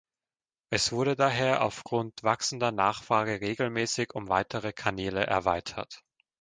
Es wurde daher auf Grund wachsender Nachfrage regelmäßig um weitere Kanäle erweitert.